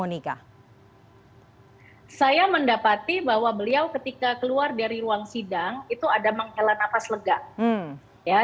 nikah saya mendapati bahwa beliau ketika keluar dari ruang sidang itu ada menghela nafas lega ya